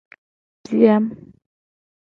Piam.